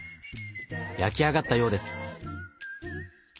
焼き上がったようです。